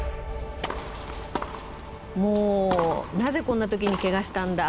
もう「なぜこんな時にケガしたんだ！